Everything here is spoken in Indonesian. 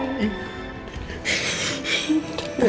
ini kenyataan lupa ya